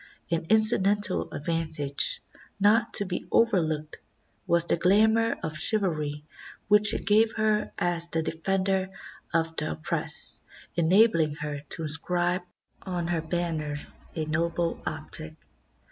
An incidental advantage, not to be overlooked, was the glamour of chivalry which it gave her as the defender of the oppressed, enabling her to inscribe on her ban 237 CHINA ners a noble object.